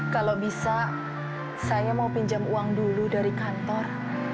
kalau bisa saya mau pinjam uang dulu dari kantor